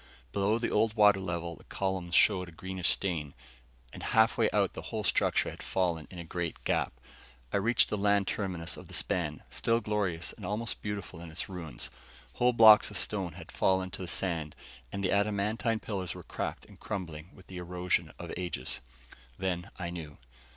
Below the old water level, the columns showed a greenish stain, and half way out the whole structure had fallen in a great gap. I reached the land terminus of the span, still glorious and almost beautiful in its ruins. Whole blocks of stone had fallen to the sand, and the adamantine pillars were cracked and crumbling with the erosion of ages. Then I knew.